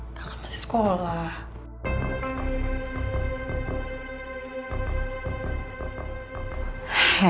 el kan masih sekolah